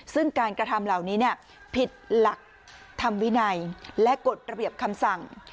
ซึ่งการกระทำเหล่านี้ผิดหลักธรรมวินัยและกฎระเบียบคำสั่ง